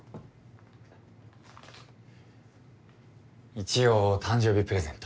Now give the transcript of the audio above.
一応誕生日プレゼント。